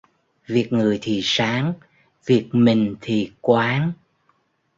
Việc người thì sáng, việc mình thì quáng